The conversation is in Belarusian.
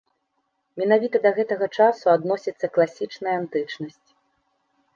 Менавіта да гэтага часу адносіцца класічная антычнасць.